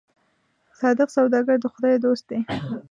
صادق سوداګر د خدای دوست دی.